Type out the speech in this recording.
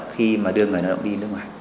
khi mà đưa người lao động đi nước ngoài